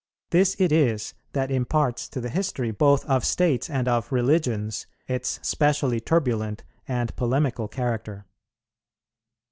This it is that imparts to the history both of states and of religions, its specially turbulent and polemical character.